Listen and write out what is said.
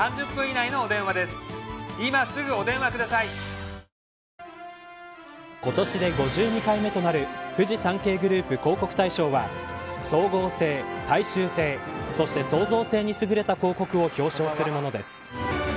延長保証サービスの対象となる家電は今年で５２回目となるフジサンケイグループ広告大賞は総合性、大衆性そして創造性に優れた広告を表彰するものです。